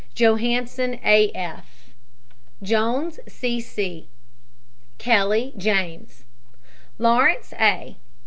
JOHANSEN, A. F. JONES, C. C. KELLY, JAMES. LAURENCE, A.